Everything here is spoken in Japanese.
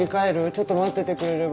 ちょっと待っててくれれば。